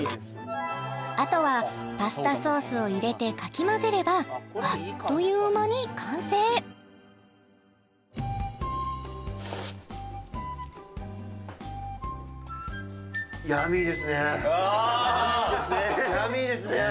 あとはパスタソースを入れてかき混ぜればあっという間に完成オイＴ！